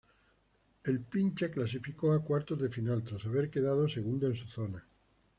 El Pincha clasificó a Cuartos de Final tras haber quedado segundo en su zona.